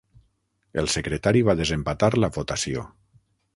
El secretari va desempatar la votació.